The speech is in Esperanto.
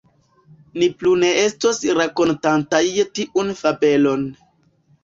Ni plu ne estos rakontantaj tiun fabelon.